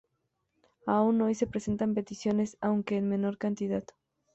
Aún hoy se presentan peticiones aunque en menor cantidad.